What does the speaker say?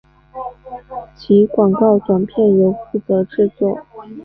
其广告短片由负责制作。